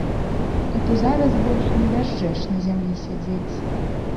А то зараз больш не дажджэш на зямлі сядзець!